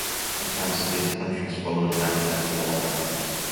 Accounts of the other counties followed in alphabetical order.